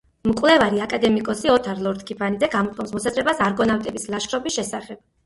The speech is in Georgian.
მკვლევარი აკადემიკოსი ოთარ ლორთქიფანიძე გამოთქვამს მოსაზრებას არგონავტების ლაშქრობის შესახებ